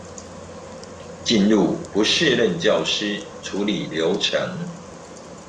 進入不適任教師處理流程